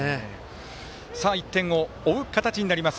１点を追う形になります